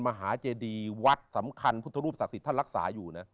มหาเจดีวัดสำคัญพุทธรูปศักดิ์สิทธิ์ท่านรักษาอยู่นะ